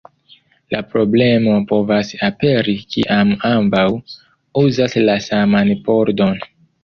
La problemo povas aperi kiam ambaŭ uzas la saman pordon.